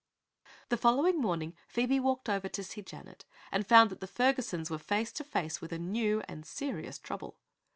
The following morning Phoebe walked over to see Janet and found that the Fergusons were face to face with a new and serious trouble.